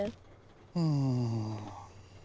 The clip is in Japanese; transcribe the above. うん。